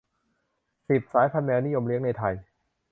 สิบ สายพันธุ์แมวนิยมเลี้ยงในไทย